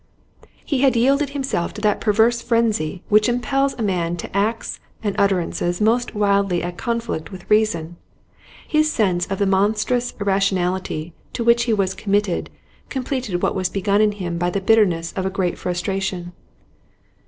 He had yielded himself to that perverse frenzy which impels a man to acts and utterances most wildly at conflict with reason. His sense of the monstrous irrationality to which he was committed completed what was begun in him by the bitterness of a great frustration.